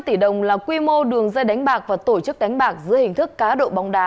chín trăm linh tỷ đồng là quy mô đường dây đánh bạc và tổ chức đánh bạc giữa hình thức cá độ bóng đá